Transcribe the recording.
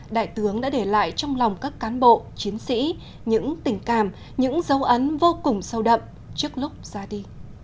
đại tướng đã để lại trong lòng các cán bộ chiến sĩ những tình cảm những dấu ấn vô cùng sâu đậm trước lúc ra đi